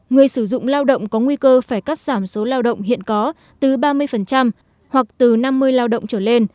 người sử dụng lao động có nguy cơ phải cắt giảm số lao động hiện có từ ba mươi hoặc từ năm mươi lao động trở lên